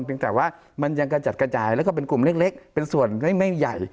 ที่มันก็ยังไม่กระจัดกระจายแล้วก็เป็นกลุ่มเล็กเป็นส่วนไม่ใหญ่